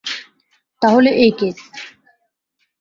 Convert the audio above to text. তাহলে এই কেস!